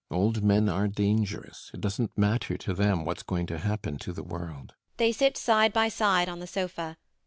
Old men are dangerous: it doesn't matter to them what is going to happen to the world. They sit side by side on the sofa.